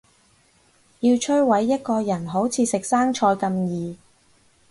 要摧毁一個人好似食生菜咁易